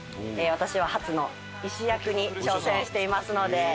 私は初の医師役に挑戦していますのではい。